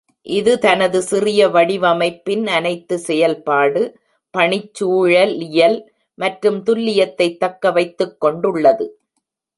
இது தனது சிறிய வடிவமைப்பின் அனைத்து செயல்பாடு, பணிச்சூழலியல் மற்றும் துல்லியத்தை தக்க வைத்துக் கொண்டுள்ளது.